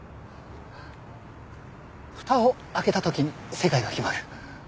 蓋を開けた時に世界が決まる。